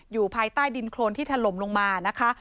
อยู่ภายใต้ดินโครนที่ถล่มลงมานะคะ